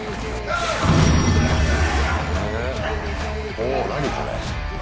お何これ。